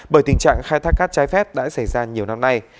bởi tình trạng khai thác cát trái phép đã xảy ra nhiều năm nay